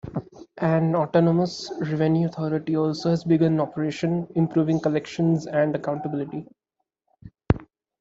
An autonomous revenue authority also has begun operation, improving collections and accountability.